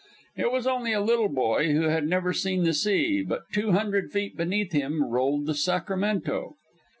It was only a little boy who had never seen the sea, but two hundred feet beneath him rolled the Sacramento.